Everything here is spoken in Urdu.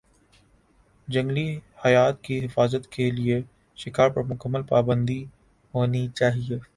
جنگلی حیات کی حفاظت کے لیے شکار پر مکمل پابندی ہونی چاہیے